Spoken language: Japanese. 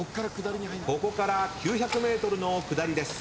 ここから９００ｍの下りです。